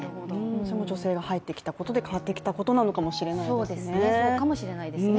それも女性が入ってきたことで変わってきたことかもしれないですね。